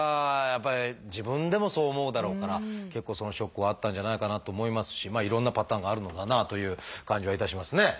やっぱり自分でもそう思うだろうから結構そのショックはあったんじゃないかなと思いますしいろんなパターンがあるのだなという感じはいたしますね。